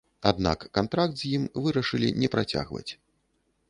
Аднак кантракт з ім вырашылі не працягваць.